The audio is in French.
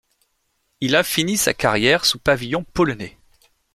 Il a fini sa carrière sous pavillon polonais.